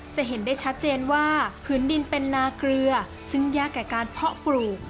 จะเห็นได้ชัดเจนว่าผืนดินเป็นนาเกลือซึ่งยากแก่การเพาะปลูก